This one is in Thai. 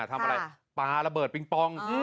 ทำอะไรปลาระเบิดปิงปอง